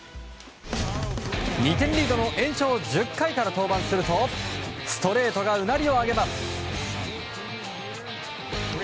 ２点リードの延長１０回から登板するとストレートがうなりを上げます！